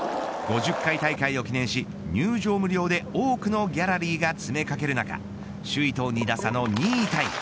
５０回大会を記念し、入場無料で多くのギャラリーが詰め掛ける中首位と２打差の２位タイ。